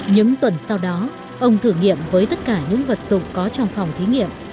những tuần sau đó ông thử nghiệm với tất cả những vật dụng có trong phòng thí nghiệm